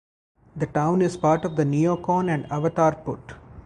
The town is part of the Neocon and Avatar Put.